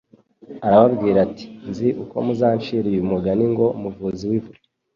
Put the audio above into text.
Arababwira ati : Nzi ko muzanshira uyu mugani ngo :"Muvuzi wivure."